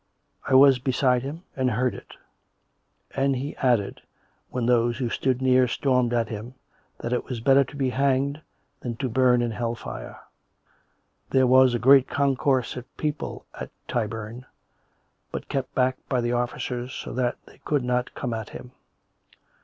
I was beside him, and heard it. And he added, when those who stood near stormed at him, that it was better to be hanged than to burn in hell fire. "' There was a great concourse of people at Tyburn, but kept back by the officers so that they could not come at him.